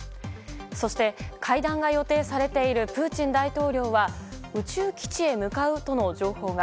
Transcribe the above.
そして、会談が予定されているプーチン大統領は、宇宙基地へ向かうとの情報が。